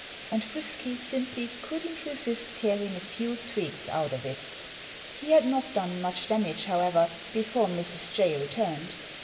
And Frisky simply couldn't resist tearing a few twigs out of it. He had not done much damage, however, before Mrs. Jay returned.